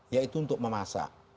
yaitu untuk memasak